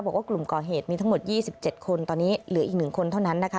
บอกว่ากลุ่มก่อเหตุมีทั้งหมด๒๗คนตอนนี้เหลืออีก๑คนเท่านั้นนะคะ